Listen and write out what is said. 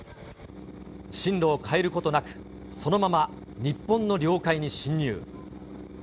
進路を変えることなく、そのまま日本の領海に侵入。